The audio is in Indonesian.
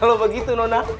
kalau begitu nona